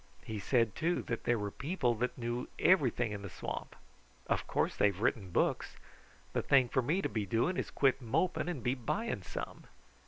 He said, too, that there were people that knew everything in the swamp. Of course they have written books! The thing for me to be doing is to quit moping and be buying some.